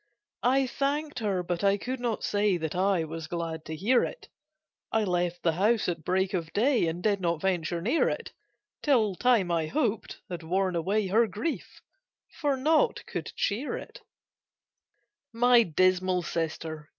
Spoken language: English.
I thanked her, but I could not say That I was glad to hear it: I left the house at break of day, And did not venture near it Till time, I hoped, had worn away Her grief, for nought could cheer it! [Picture: At night she signed] My dismal sister!